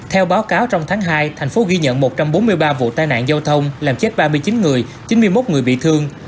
theo báo cáo trong tháng hai thành phố ghi nhận một trăm bốn mươi ba vụ tai nạn giao thông làm chết ba mươi chín người chín mươi một người bị thương